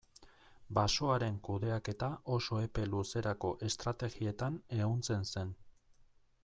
Basoaren kudeaketa oso epe luzerako estrategietan ehuntzen zen.